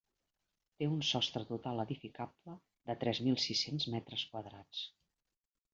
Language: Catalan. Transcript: Té un sostre total edificable de tres mil sis-cents metres quadrats.